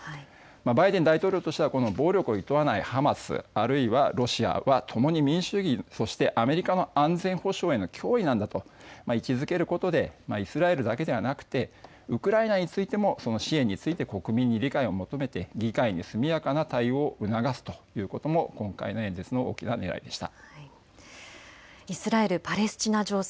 バイデン大統領としては暴力をいとわないハマス、あるいはロシアはともに民主主義、そしてアメリカの安全保障への脅威なのだと位置づけることでイスラエルだけではなくウクライナについても支援について国民に理解を求めて議会に速やかの対応を促すということも今回の演説の大きなねらいでした。